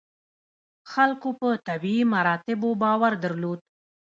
خلکو په طبیعي مراتبو باور درلود.